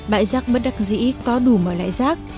bãi rác bất đặc dĩ có đủ mở lại rác